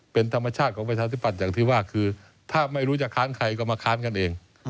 เป็นธรรมชาติของประชาธิปัตย์อย่างที่ว่าคือถ้าไม่รู้จะค้านใครก็มาค้านกันเอง